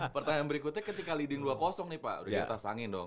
pertanyaan berikutnya ketika leading dua nih pak udah di atas angin dong